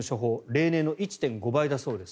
例年の１．５倍だそうです。